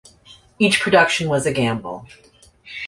Each production was a gamble.